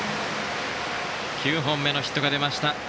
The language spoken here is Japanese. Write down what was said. ９本目のヒットが出ました。